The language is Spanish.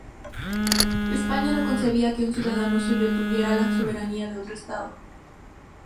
España no concebía que un ciudadano suyo tuviera la soberanía de otro estado.